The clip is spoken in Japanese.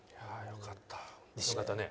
よかったね。